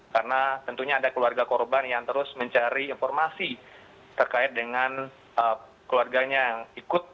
karena tentunya ada keluarga korban yang terus mencari informasi terkait dengan keluarganya yang ikut